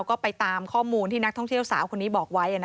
ก็ไปตามข้อมูลที่นักท่องเที่ยวสาวคนนี้บอกไว้